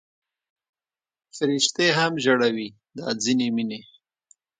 فرشتې هم ژړوي دا ځینې مینې